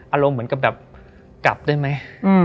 อารมณ์เหมือนกับแบบกลับได้ไหม